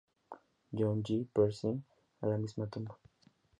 John J. Pershing a la misma tumba.